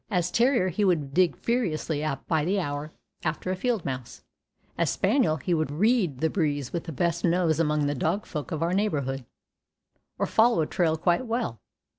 As terrier he would dig furiously by the hour after a field mouse; as spaniel he would "read" the breeze with the best nose among the dog folk of our neighborhood, or follow a trail quite well.